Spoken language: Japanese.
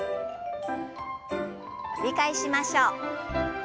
繰り返しましょう。